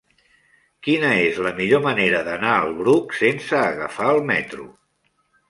Quina és la millor manera d'anar al Bruc sense agafar el metro?